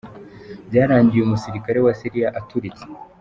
Byarangiye uyu musirikare wa Syria aturitse.